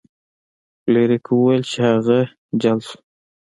فلیریک وویل چې هغه جل شو.